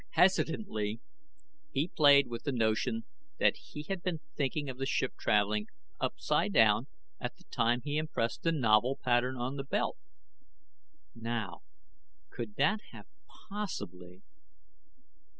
Hesitantly, he played with the notion that he had been thinking of the ship traveling upsidedown at the time he impressed the novel pattern on the belt. Now, could that have possibly